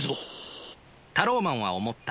タローマンは思った。